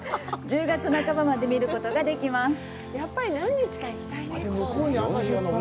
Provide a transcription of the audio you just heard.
１０月半ばまで見ることができます。